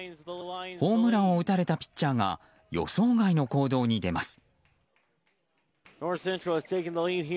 ホームランを打たれたピッチャーが予想外の行動に出ます。